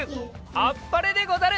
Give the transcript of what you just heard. あっぱれでござる！